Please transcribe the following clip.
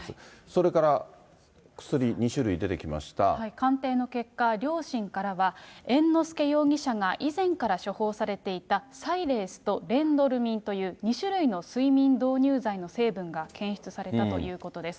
それから、鑑定の結果、両親からは、猿之助容疑者が以前から処方されていた、サイレースとレンドルミンという２種類の睡眠導入剤の成分が検出されたということです。